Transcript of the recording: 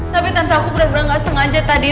tapi tensa aku bener bener gak sengaja tadi